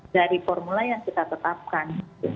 dari formula yang kita tetapkan